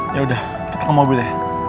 yaudah kita ke mobil ya